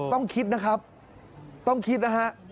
ต้องคิดนะครับต้องคิดนะฮะ